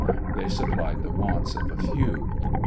They supplied the wants of a few.